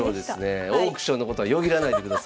オークションのことはよぎらないでくださいね古賀先生。